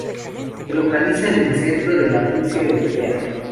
Se localiza en el centro de la Rusia europea.